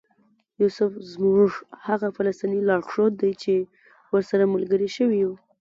یوسف زموږ هغه فلسطینی لارښود دی چې ورسره ملګري شوي یو.